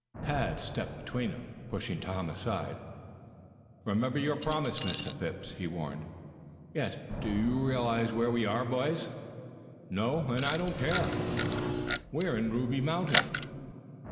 Tad stepped between them, pushing Tom aside. "Remember your promise, Mr. Phipps," he warned. "Yes, but do you realize where we are, boys?" "No, and I don't care." "We're in the Ruby Mountain."